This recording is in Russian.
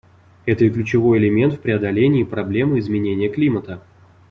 Это и ключевой элемент в преодолении проблемы изменения климата.